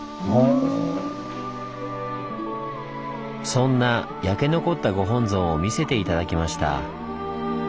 そんな焼け残ったご本尊を見せて頂きました。